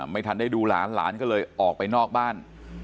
ไม่ทันได้ดูหลานหลานก็เลยออกไปนอกบ้าน